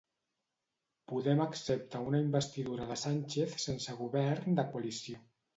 Podem accepta una investidura de Sánchez sense govern de coalició.